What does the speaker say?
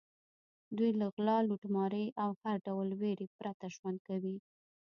دوی له غلا، لوټمارۍ او هر ډول وېرې پرته ژوند کوي.